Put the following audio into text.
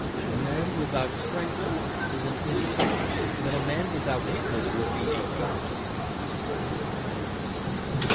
A man without strength is an idiot, but a man without weakness would be a god in an asylum.